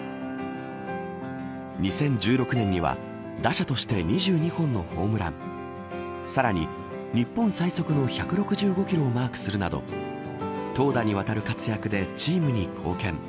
２０１６年には打者として２２本のホームランさらに日本最速の１６５キロをマークするなど投打にわたる活躍でチームに貢献。